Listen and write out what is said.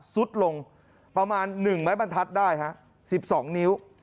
สุดลงประมาณ๑ไม้บรรทัศน์ได้ฮะ๑๒นิ้ว